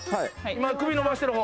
今首のばしてる方